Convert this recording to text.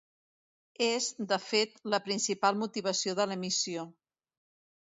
És, de fet, la principal motivació de l'emissió.